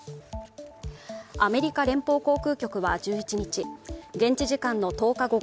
アメリカ連邦航空局は１１日現地時間の１０日